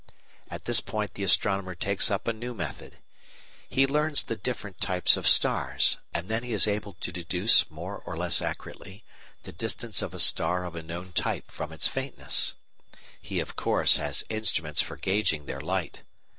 At this point the astronomer takes up a new method. He learns the different types of stars, and then he is able to deduce more or less accurately the distance of a star of a known type from its faintness. He, of course, has instruments for gauging their light.